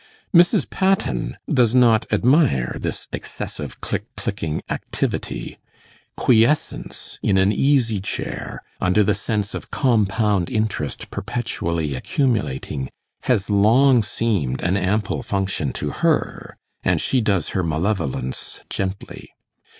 Mrs. Patten does not admire this excessive click clicking activity. Quiescence in an easy chair, under the sense of compound interest perpetually accumulating, has long seemed an ample function to her, and she does her malevolence gently.